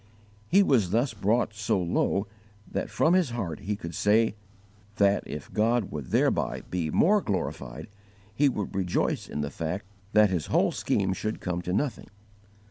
He was thus brought so low that from his heart he could say that, if God would thereby be more glorified, he would rejoice in the fact that his whole scheme should come to nothing.